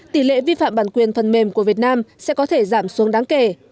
tỷ lệ vi phạm bản quyền phần mềm của việt nam sẽ có thể giảm xuống đáng kể